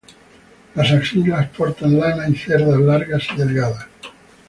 Las axilas portan lana y cerdas largas y delgadas.